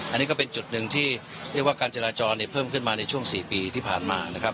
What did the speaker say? อันนี้ก็เป็นจุดหนึ่งที่เรียกว่าการจราจรเพิ่มขึ้นมาในช่วง๔ปีที่ผ่านมานะครับ